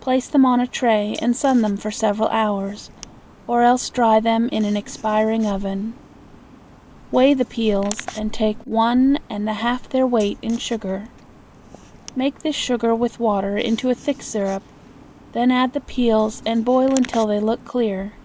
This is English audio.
Place them on a tray and sun them for several hours, or else dry them in an expiring oven. Weigh the peels, and take once and a half their weight in sugar. Make this sugar with water into a thick syrup; then add the peels and boil until they look clear.